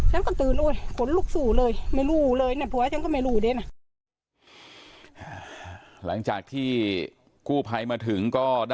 หวังจากที่กูไพรมาถึง